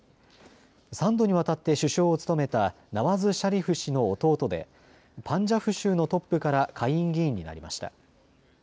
３度にわたって首相を務めたナワズ・シャリフ氏の弟でパンジャブ州のトップから下院議員になりました。